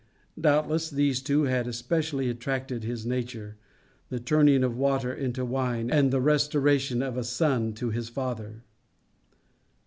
Doubtless these two had especially attracted his nature the turning of water into wine, and the restoration of a son to his father.